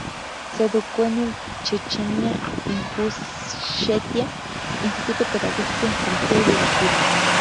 Se educó en el Chechenia-Ingushetia Instituto Pedagógico, en geografía y biología.